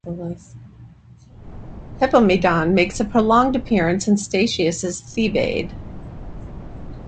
Hippomedon makes a prolonged appearance in Statius' "Thebaid".